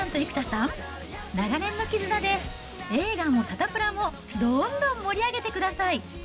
丸ちゃんと生田さん、長年の絆で、映画もサタプラもどんどん盛り上げてください。